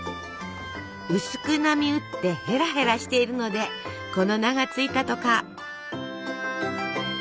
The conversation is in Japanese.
薄く波打って「へらへら」しているのでこの名が付いたとか。